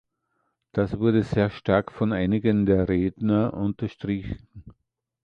Das wurde sehr stark von einigen der Redner unterstrichen.